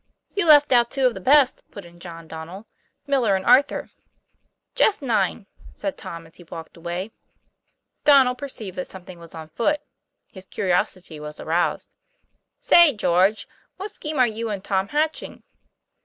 "You left out two of the best," put in John Don nel "Miller and Arthur." "Just nine," said Tom, as he walked away. Donnel perceived that something was on foot; his curiosity was aroused. '' Say, George, what scheme are you and Tom hatching?"